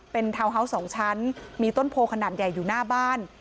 เป็นทาวน์ฮาวส์๒ชั้นมีต้นโพขนาดใหญ่อยู่หน้าบ้าน